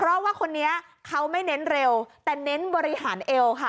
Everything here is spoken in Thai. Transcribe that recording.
เพราะว่าคนนี้เขาไม่เน้นเร็วแต่เน้นบริหารเอวค่ะ